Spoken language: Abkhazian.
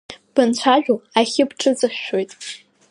Банцәажәо ахьы бҿыҵышәшәоит.